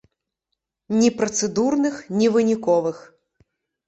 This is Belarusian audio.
Ні працэдурных, ні выніковых.